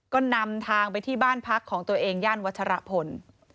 ก็นำทางไปที่บ้านพักของตัวเองย่านวัชรพล